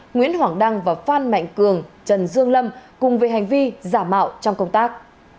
nguyễn hoàng đăng và phan mạnh cường trần dương lâm cùng về hành vi giả mạo trong công tác